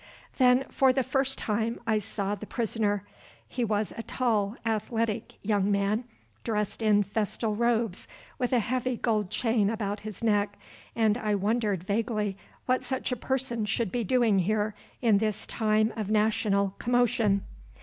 Then for the first time I saw the prisoner. He was a tall, athletic young man, dressed in festal robes with a heavy gold chain about his neck, and I wondered vaguely what such a person should be doing here in this time of national commotion.